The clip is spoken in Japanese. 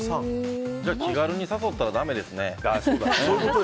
じゃあ気軽に誘ったらだめですね。